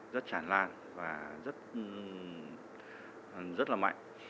rất chản lan và rất là mạnh